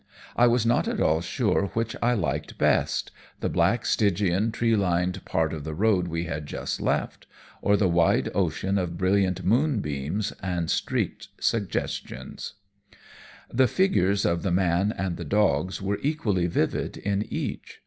I was not at all sure which I liked best the black, Stygian, tree lined part of the road we had just left, or the wide ocean of brilliant moonbeams and streaked suggestions. The figures of the man and the dogs were equally vivid in each.